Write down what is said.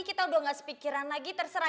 kita udah gak sepikiran lagi terserah